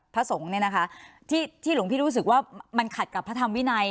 พระสงฆ์เนี่ยนะคะที่หลวงพี่รู้สึกว่ามันขัดกับพระธรรมวินัย